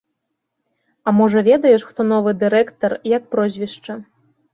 А можа, ведаеш, хто новы дырэктар, як прозвішча?